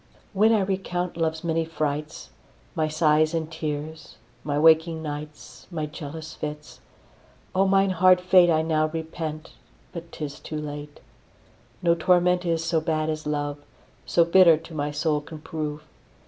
When I recount love's many frights, My sighs and tears, my waking nights, My jealous fits; O mine hard fate I now repent, but 'tis too late. No torment is so bad as love, So bitter to my soul can prove.